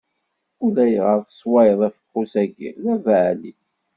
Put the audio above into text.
Ulayɣer tesswayeḍ afeqqus-agi, d abeɛli.